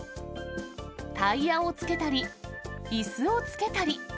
タイヤをつけたり、いすをつけたり。